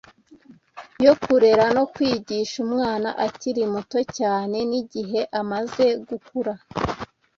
yo kurera no kwigisha umwana akiri muto cyane n’igihe amaze gukura